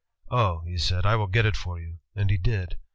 'Oh,' he said, 'I will get it for you,' and he did.